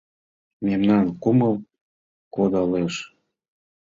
Мемнан кумыл кодалеш.